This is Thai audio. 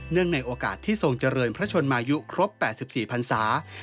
ในโอกาสที่ทรงเจริญพระชนมายุครบ๘๔พันศา